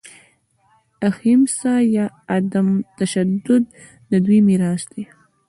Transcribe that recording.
اهیمسا یا عدم تشدد د دوی میراث دی.